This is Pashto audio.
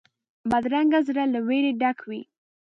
بدرنګه زړه له وېرې ډک وي